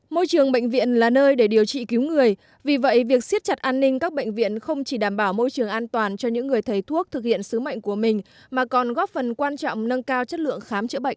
môi trường bệnh viện là nơi để điều trị cứu người vì vậy việc siết chặt an ninh các bệnh viện không chỉ đảm bảo môi trường an toàn cho những người thầy thuốc thực hiện sứ mệnh của mình mà còn góp phần quan trọng nâng cao chất lượng khám chữa bệnh